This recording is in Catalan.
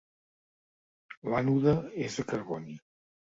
L'ànode és de carboni.